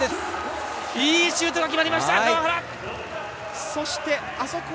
いいシュートが決まりました！